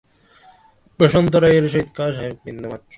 এ বিষয়ে বসন্ত রায়ের সহিত খাঁ সাহেবের কিছুমাত্র মতের অনৈক্য ছিল না।